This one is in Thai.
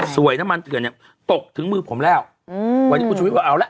สวยน้ำมันเถือนตกถึงมือผมแล้ววันนี้คุณชุวิตบอกเอาแล้ว